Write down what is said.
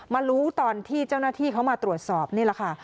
มารู้ตอนที่เจ้าหน้าที่เขามาตรวจสอบนี่แหละค่ะ